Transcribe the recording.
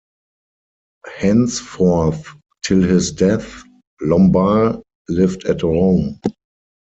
Henceforth till his death, Lombard lived at Rome.